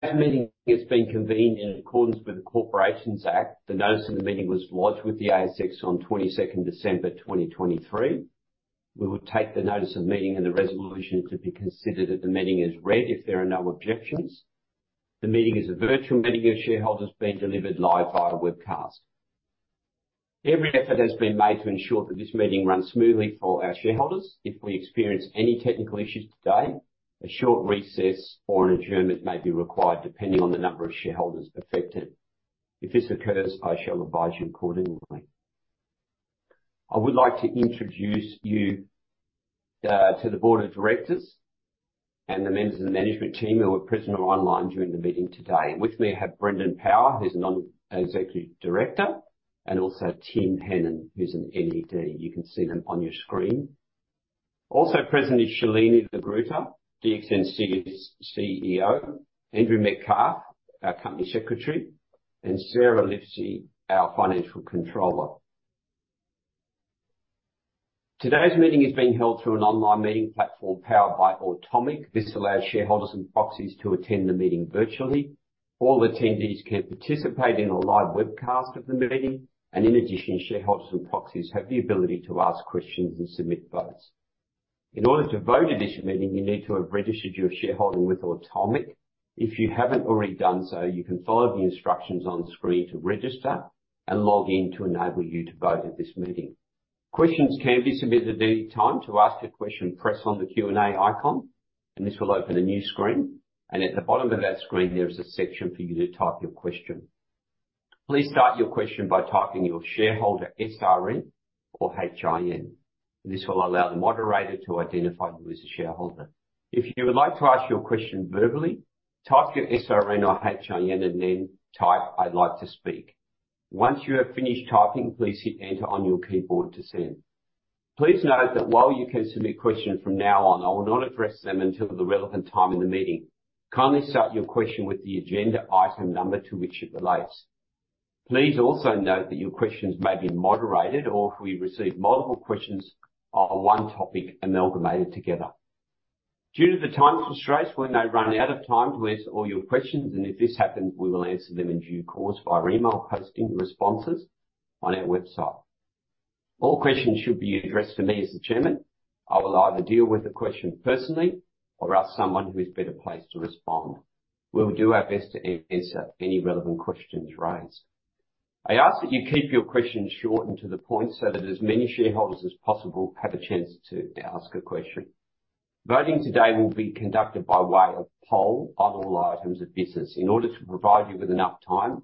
That meeting has been convened in accordance with the Corporations Act. The notice of the meeting was lodged with the ASX on 22nd December 2023. We will take the Notice of Meeting and the resolution to be considered at the meeting as read if there are no objections. The meeting is a virtual meeting, and shareholders are being delivered live via webcast. Every effort has been made to ensure that this meeting runs smoothly for our shareholders. If we experience any technical issues today, a short recess or an adjournment may be required depending on the number of shareholders affected. If this occurs, I shall advise you accordingly. I would like to introduce you to the Board of Directors and the members of the management team who are present or online during the meeting today. With me I have Brendan Power, who's a Non-Executive Director, and also Tim Hannon, who's an NED. You can see them on your screen. Also present is Shalini Lagrutta, DXN's CEO, Andrew Metcalfe, our Company Secretary, and Sarah Livesey, our Financial Controller. Today's meeting is being held through an online meeting platform powered by Automic. This allows shareholders and proxies to attend the meeting virtually. All attendees can participate in a live webcast of the meeting, and in addition, shareholders and proxies have the ability to ask questions and submit votes. In order to vote at this meeting, you need to have registered your shareholding with Automic. If you haven't already done so, you can follow the instructions on screen to register and log in to enable you to vote at this meeting. Questions can be submitted at any time. To ask a question, press on the Q&A icon, and this will open a new screen. At the bottom of that screen, there is a section for you to type your question. Please start your question by typing your shareholder SRN or HIN. This will allow the moderator to identify you as a shareholder. If you would like to ask your question verbally, type your SRN or HIN and then type "I'd like to speak." Once you have finished typing, please hit "Enter" on your keyboard to send. Please note that while you can submit questions from now on, I will not address them until the relevant time in the meeting. Kindly start your question with the agenda item number to which it relates. Please also note that your questions may be moderated, or if we receive multiple questions on one topic, amalgamated together. Due to the time constraints, we may run out of time to answer all your questions, and if this happens, we will answer them in due course via email posting responses on our website. All questions should be addressed to me as the Chairman. I will either deal with the question personally or ask someone who is better placed to respond. We will do our best to answer any relevant questions raised. I ask that you keep your questions short and to the point so that as many shareholders as possible have a chance to ask a question. Voting today will be conducted by way of poll on all items of business. In order to provide you with enough time,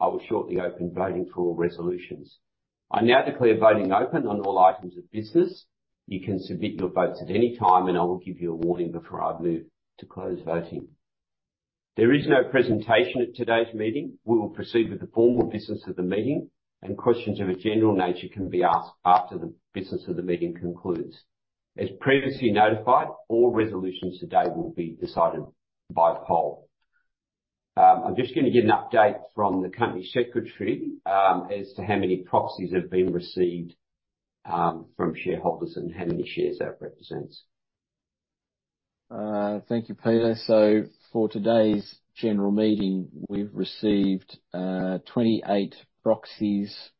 I will shortly open voting for all resolutions. I now declare voting open on all items of business. You can submit your votes at any time, and I will give you a warning before I move to close voting. There is no presentation at today's meeting. We will proceed with the formal business of the meeting, and questions of a general nature can be asked after the business of the meeting concludes. As previously notified, all resolutions today will be decided by poll. I'm just going to get an update from the company secretary as to how many proxies have been received from shareholders and how many shares that represents. Thank you, Peter. So for today's general meeting, we've received 28 proxies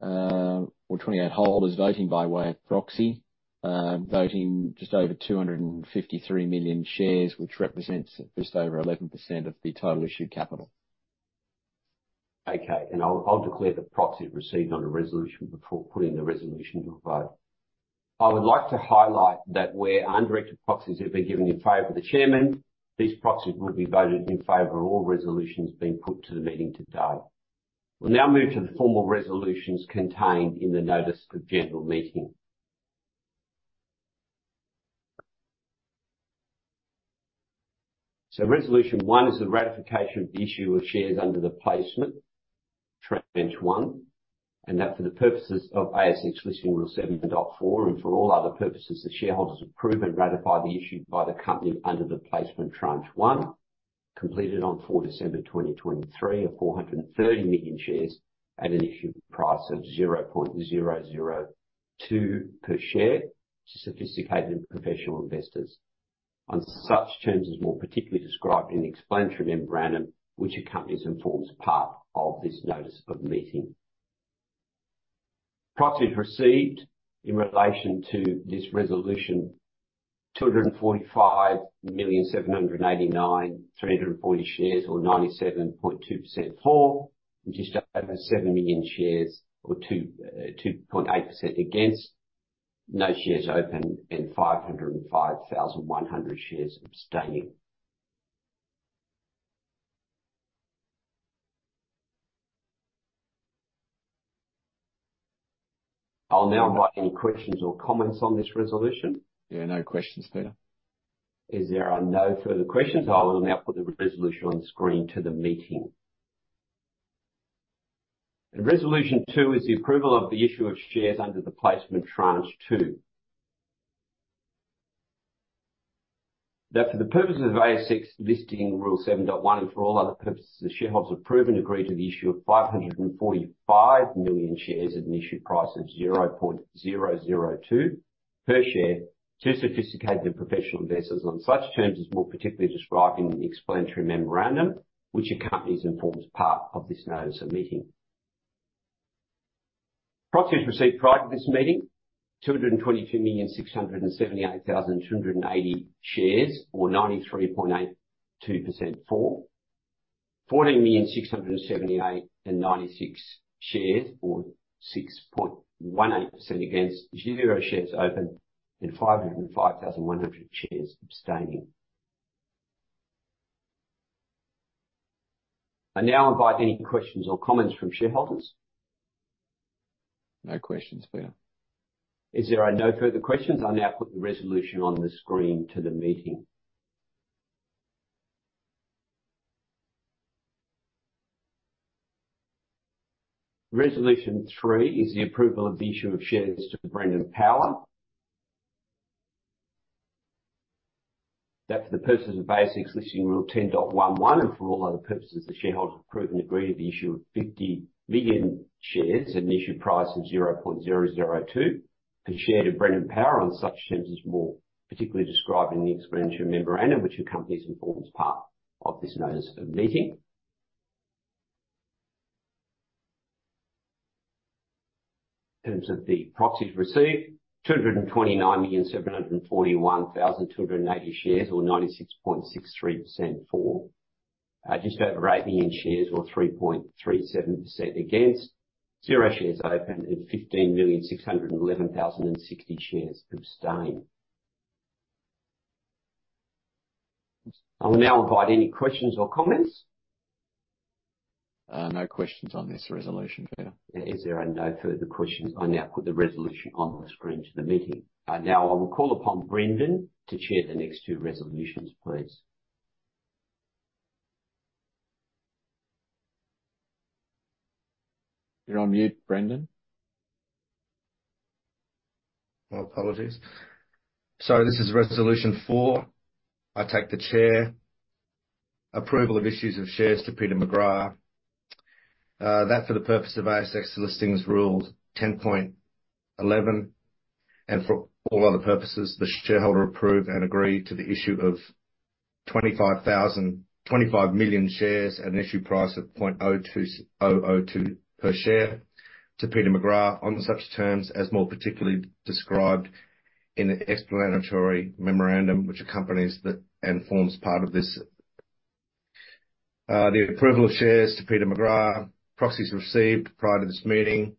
or 28 holders voting by way of proxy, voting just over 253 million shares, which represents just over 11% of the total issued capital. Okay, and I'll declare the proxies received on the resolution before putting the resolution to a vote. I would like to highlight that where undirected proxies have been given in favor of the Chairman, these proxies will be voted in favor of all resolutions being put to the meeting today. We'll now move to the formal resolutions contained in the Notice of General Meeting. So Resolution 1 is the ratification of the issue of shares under the placement Tranche 1, and that for the purposes of ASX Listing Rule 7.4 and for all other purposes, the shareholders approve and ratify the issue by the company under the placement Tranche 1, completed on 4 December 2023, of 430 million shares at an issued price of 0.002 per share to sophisticated and professional investors. On such terms is more particularly described in the Explanatory Memorandum, which accompanies and forms part of this Notice of Meeting. Proxies received in relation to this resolution: 245,789,340 shares or 97.2% for, which is 7 million shares or 2.8% against, no shares open, and 505,100 shares abstaining. I'll now invite any questions or comments on this resolution. Yeah, no questions, Peter. As there are no further questions, I will now put the resolution on the screen to the meeting. Resolution 2 is the approval of the issue of shares under the placement Tranche 2. That, for the purposes of ASX Listing Rule 7.1 and for all other purposes, the shareholders approve and agree to the issue of 545 million shares at an issue price of 0.002 per share to sophisticated and professional investors. On such terms as are more particularly described in the Explanatory Memorandum, which accompanies and forms part of this Notice of Meeting. Proxies received prior to this meeting: 222,678,280 shares or 93.82% for, 14,678.96 shares or 6.18% against, zero shares open, and 505,100 shares abstaining. I now invite any questions or comments from shareholders. No questions, Peter. As there are no further questions, I'll now put the resolution on the screen to the meeting. Resolution 3 is the approval of the issue of shares to Brendan Power. That for the purposes of ASX Listing Rules 10.11 and for all other purposes, the shareholders approve and agree to the issue of 50 million shares at an issue price of 0.002 per share to Brendan Power. On such terms as more particularly described in the Explanatory Memorandum, which accompanies and forms part of this Notice of Meeting. In terms of the proxies received, 229,741,280 shares or 96.63% for, just over 8 million shares or 3.37% against, zero shares open, and 15,611,060 shares abstaining. I will now invite any questions or comments. No questions on this resolution, Peter. As there are no further questions, I now put the resolution on the screen to the meeting. Now I will call upon Brendan to chair the next two resolutions, please. You're on mute, Brendan. Oh, apologies. So this is Resolution 4. I take the chair. Approval of issues of shares to Peter McGrath. That, for the purpose of ASX Listing Rule 10.11 and for all other purposes, the shareholder approves and agrees to the issue of 25 million shares at an issue price of 0.002 per share to Peter McGrath on such terms as more particularly described in the Explanatory Memorandum, which accompanies and forms part of this. The approval of shares to Peter McGrath. Proxies received prior to this meeting: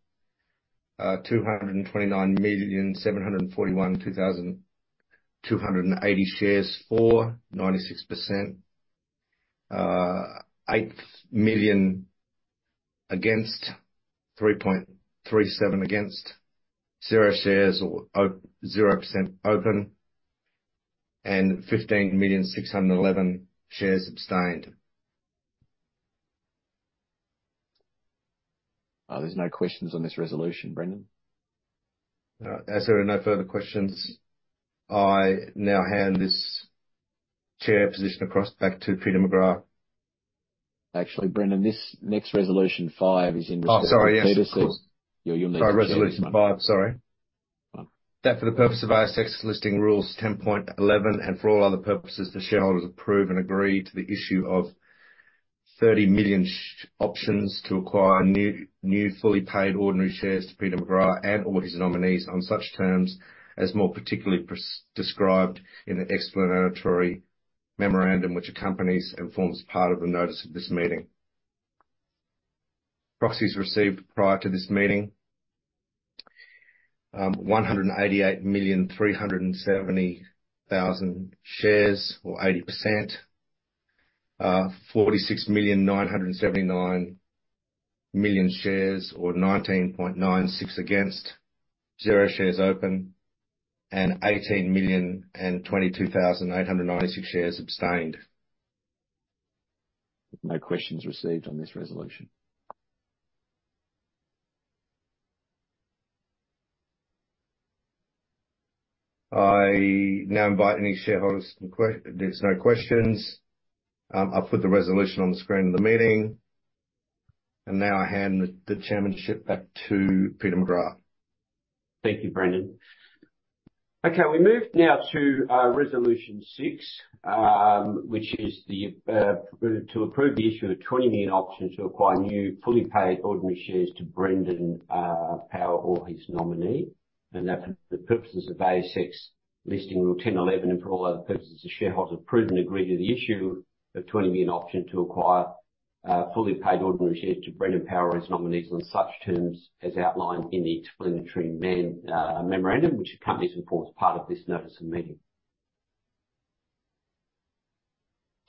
229,741,280 shares for, 96%, 8 million against, 3.37% against, zero shares or 0% open, and 15,611 shares abstained. There's no questions on this resolution, Brendan. As there are no further questions, I now hand this chair position across back to Peter McGrath. Actually, Brendan, this next Resolution 5 is in Resolution 2. Oh, sorry. You'll need to see it. Sorry. Resolution 5. Sorry. That for the purpose of ASX Listing Rules 10.11 and for all other purposes, the shareholders approve and agree to the issue of 30 million options to acquire new fully paid ordinary shares to Peter McGrath and/or his nominees on such terms as more particularly described in the Explanatory Memorandum, which accompanies and forms part of the notice of this meeting. Proxies received prior to this meeting: 188,370,000 shares or 80%, 46,979,000 shares or 19.96% against, zero shares open, and 18,022,896 shares abstained. No questions received on this resolution. I now invite any shareholders to question. There's no questions. I'll put the resolution on the screen of the meeting, and now I hand the chairmanship back to Peter McGrath. Thank you, Brendan. Okay, we move now to Resolution 6, which is to approve the issue of 20 million options to acquire new fully paid ordinary shares to Brendan Power or his nominee. And that for the purposes of ASX Listing Rule 10.11 and for all other purposes, the shareholders approve and agree to the issue of 20 million options to acquire fully paid ordinary shares to Brendan Power or his nominees on such terms as outlined in the explanatory Memorandum, which accompanies and forms part of this notice of meeting.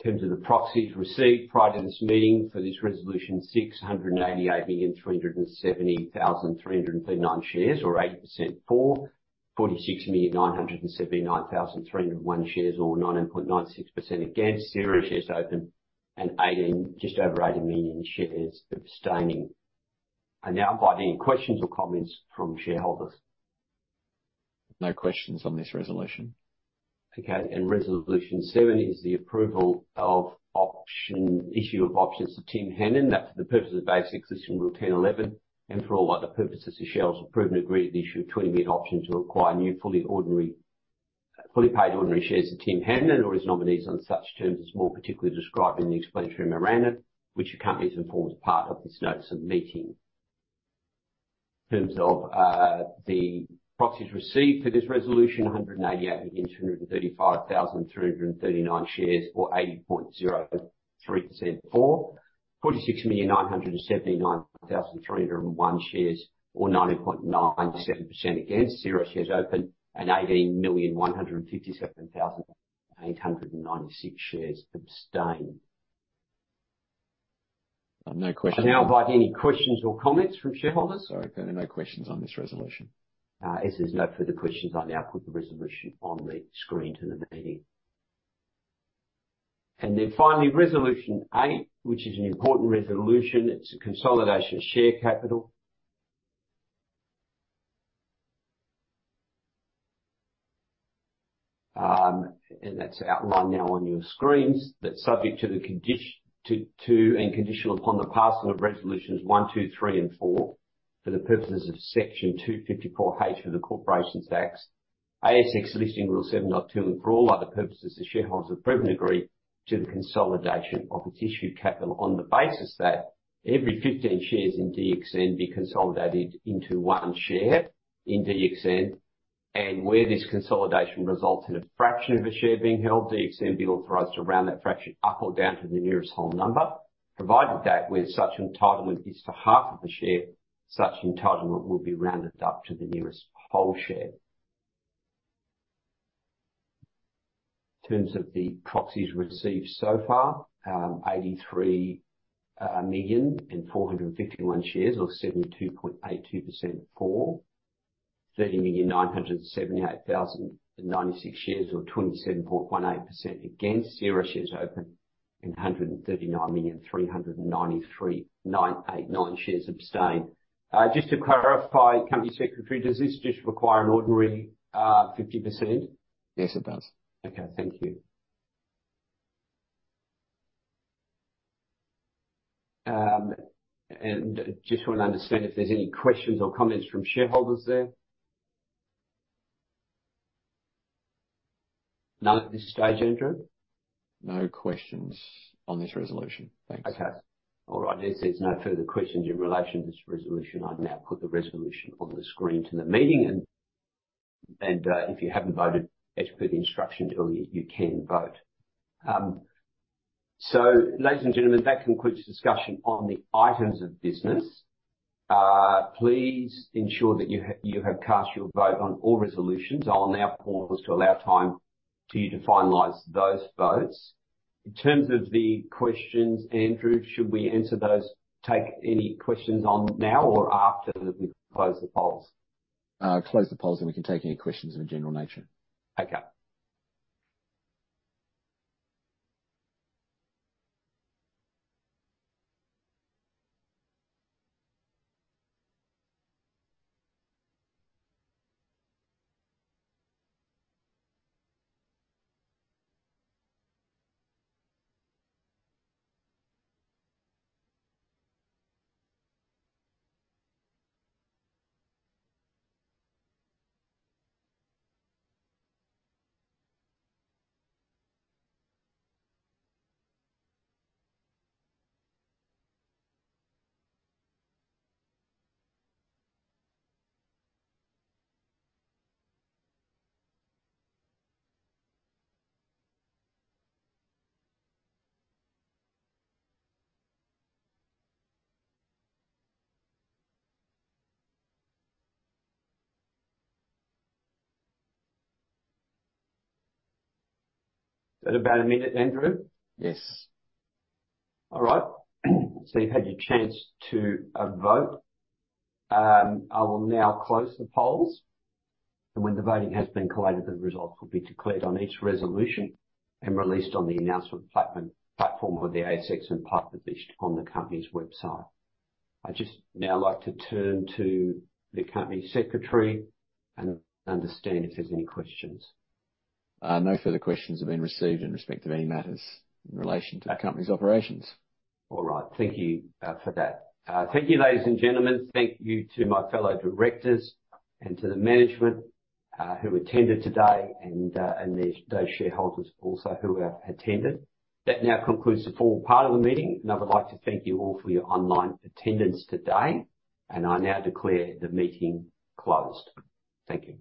In terms of the proxies received prior to this meeting for this Resolution 6, 188,370,339 shares or 80% for, 46,979,301 shares or 19.96% against, zero shares open, and just over 8 million shares abstaining. I now invite any questions or comments from shareholders. No questions on this resolution. Okay, and Resolution 7 is the approval of issue of options to Tim Hannon. That, for the purpose of ASX Listing Rule 10.11 and for all other purposes, the shareholders approve and agree to the issue of 20 million options to acquire new fully paid ordinary shares to Tim Hannon or his nominees on such terms as more particularly described in the Explanatory Memorandum, which accompanies and forms part of this Notice of Meeting. In terms of the proxies received for this resolution, 188,235,339 shares or 80.03% for, 46,979,301 shares or 19.97% against, zero shares open, and 18,157,896 shares abstained. No questions. I now invite any questions or comments from shareholders. Sorry, Peter, no questions on this resolution. As there's no further questions, I now put the resolution on the screen to the meeting. Then finally, Resolution 8, which is an important resolution. It's a consolidation of share capital. And that's outlined now on your screens. That's subject to the condition and conditional upon the passing of Resolutions 1, 2, 3, and 4, for the purposes of Section 254H of the Corporations Act, ASX Listing Rule 7.2, and for all other purposes, the shareholders approve and agree to the consolidation of its issued capital on the basis that every 15 shares in DXN be consolidated into one share in DXN, and where this consolidation results in a fraction of a share being held, DXN be authorised to round that fraction up or down to the nearest whole number. Provided that where such entitlement is to half of a share, such entitlement will be rounded up to the nearest whole share. In terms of the proxies received so far, 83,451 shares or 72.82% for, 30,978,096 shares or 27.18% against, zero shares open, and 139,393.989 shares abstained. Just to clarify, Company Secretary, does this just require an ordinary 50%? Yes, it does. Okay, thank you, and just want to understand if there's any questions or comments from shareholders there. None at this stage, Andrew? No questions on this resolution. Thanks. Okay. All right. As there's no further questions in relation to this resolution, I'll now put the resolution on the screen to the meeting. And if you haven't voted as per the instructions earlier, you can vote. So, ladies and gentlemen, that concludes the discussion on the items of business. Please ensure that you have cast your vote on all resolutions. I'll now pause to allow time to you to finalize those votes. In terms of the questions, Andrew, should we take any questions on now or after that we close the polls? Close the polls and we can take any questions of a general nature. Okay. Is that about a minute, Andrew? Yes. All right. So you've had your chance to vote. I will now close the polls. And when the voting has been completed, the results will be declared on each resolution and released on the announcement platform of the ASX and published on the company's website. I'd just now like to turn to the company secretary and understand if there's any questions. No further questions have been received in respect of any matters in relation to the company's operations. All right. Thank you for that. Thank you, ladies and gentlemen. Thank you to my fellow directors and to the management who attended today and those shareholders also who have attended. That now concludes the formal part of the meeting. And I would like to thank you all for your online attendance today. And I now declare the meeting closed. Thank you.